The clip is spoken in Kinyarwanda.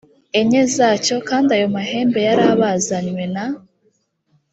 enye zacyo kandi ayo mahembe yari abazanywe na